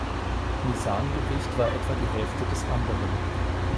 Misan-Gewicht war etwa die Hälfte des anderen.